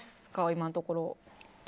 今のところ。